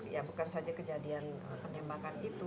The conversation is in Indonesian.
ya bukan saja kejadian penembakan itu